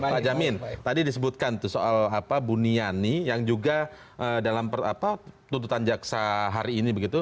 pak jamin tadi disebutkan tuh soal buniani yang juga dalam tuntutan jaksa hari ini begitu